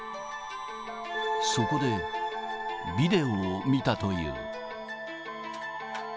そこでビデオを見たという。